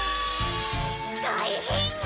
たいへんだ！